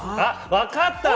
わかった！